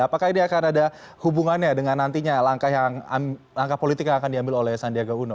apakah ini akan ada hubungannya dengan nantinya langkah politik yang akan diambil oleh sandiaga uno